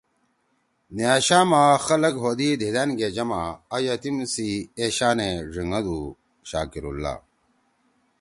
نیاشاما وئی خلگ ہودی دھیدأن گے جما، آ یتیم سی اے شانے ڙھینگدُو شاکراللہ